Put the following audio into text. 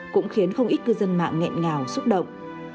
cũng khiến không ít cư dân mạng nghẹn ngào xúc động